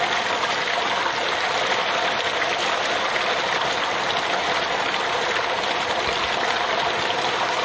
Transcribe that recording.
พร้อมทุกสิทธิ์